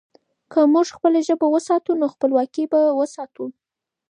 که موږ خپله ژبه وساتو، نو خپلواکي به وساتو.